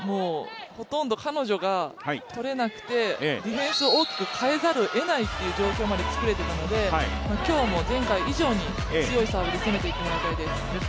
ほとんど彼女がとれなくて、ディフェンスを大きく変えざるをえない状況まで作れていたので今日はもう前回以上に強いサーブで攻めていってもらいたいです。